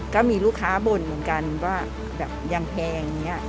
ก็มีลูกค้าบ่นเหมือนกันว่าอย่างแพงแบบนี้